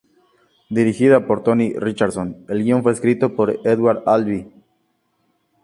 Dirigida por Tony Richardson, el guion fue escrito por Edward Albee.